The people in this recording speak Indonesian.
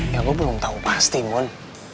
ya gue belum tahu pasti mun